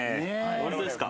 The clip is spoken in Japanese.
ホントですか。